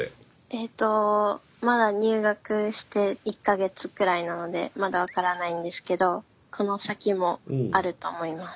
えとまだ入学して１か月ぐらいなのでまだ分からないんですけどこの先もあると思います。